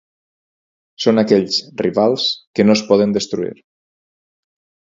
Són aquells rivals que no es poden destruir.